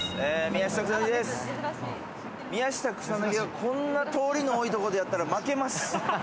宮下草薙はこんな通りの多いところでやったら、負けます。